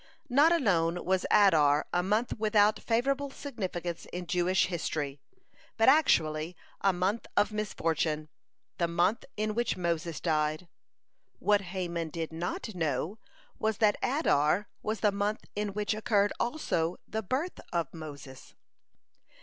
Not alone was Adar a month without favorable significance in Jewish history, but actually a month of misfortune, the month in which Moses died. What Haman did not know was, that Adar was the month in which occurred also the birth of Moses.